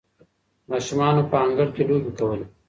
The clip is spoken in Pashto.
ماشومانو په انګړ کې لوبې کولې.